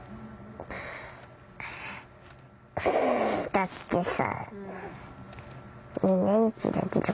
・だってさ。